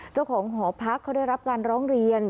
เจ้าของหอพักเขาได้รับการร้องเรียน